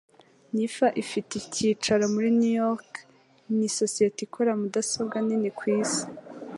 NIFA ifite icyicaro muri New York ni isosiyete ikora mudasobwa nini ku isi